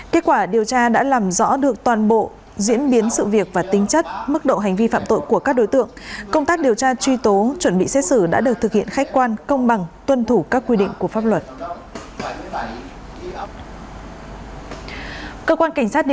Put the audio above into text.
kết quả điều tra đã làm rõ được toàn bộ diễn biến sự việc và tính chất mức độ hành vi phạm tội của các đối tượng công tác điều tra truy tố chuẩn bị xét xử đã được thực hiện khách quan công bằng tuân thủ các quy định của pháp luật